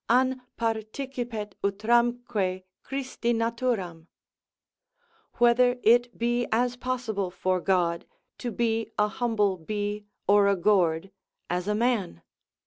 An participet utramque Christi naturam? Whether it be as possible for God to be a humble bee or a gourd, as a man?